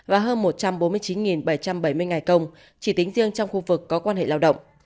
và hơn một trăm bốn mươi chín bảy trăm bảy mươi ngày công chỉ tính riêng trong khu vực có quan hệ lao động